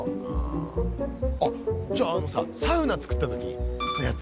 あっじゃああのさサウナ作った時のやつ。